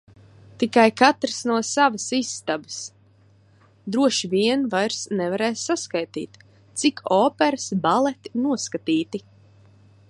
Tikai katrs no savas istabas. Droši vien vairs nevarēs saskaitīt, cik operas, baleti noskatīti.